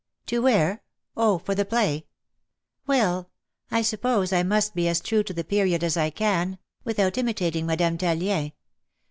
"To wear? Oh, for the play ! Well, I suppose I must be as true to the period as I can, without imitating Madame Tallien.